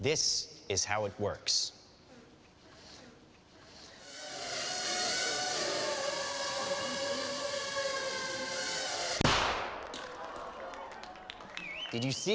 ini adalah cara berfungsi